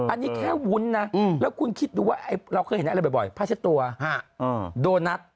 อันนี้แค่วุ้นนะแล้วคุณคิดดูว่าเราเคยเห็นอะไรบ่อยผ้าเช็ดตัวโดนัท